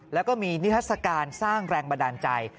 แล้วก็มีนิทัศกาลสร้างแรงบันดาลใจ